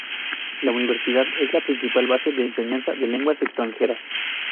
La Universidad es la principal base de enseñanza de lenguas extranjeras.